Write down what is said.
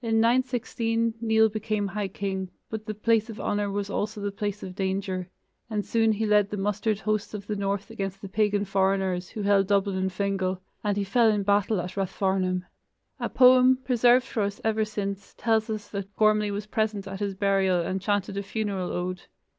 In 916 Nial became high king, but the place of honor was also the place of danger, and soon he led the mustered hosts of the north against the pagan foreigners, who held Dublin and Fingal, and he fell in battle at Rathfarnham. A poem, preserved for us ever since, tells us that Gormlai was present at his burial and chanted a funeral ode.